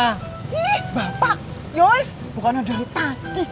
ih bapak yois bukan udah tadi